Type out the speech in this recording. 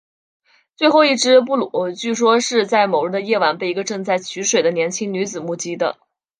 最后一只布鲁据说是在某日的夜晚被一个正在取水的年轻女子目击的。